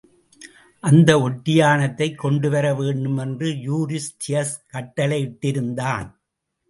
அந்த ஒட்டியாணத்தைக் கொண்டுவர வேண்டுமென்று யூரிஸ்தியஸ் கட்டளையிட்டிருந்தான்.